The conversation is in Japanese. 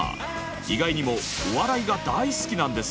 意外にもお笑いが大好きなんです。